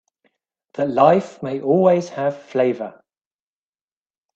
That life may always have flavor.